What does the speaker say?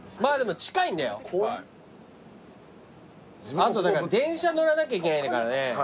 あと電車乗らなきゃいけないんだからね。